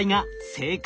正解！